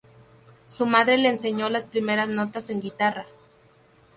Su madre le enseñó las primeras notas en guitarra.